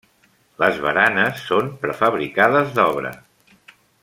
Les baranes són prefabricades d'obra.